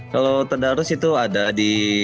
kalau tadarus itu ada di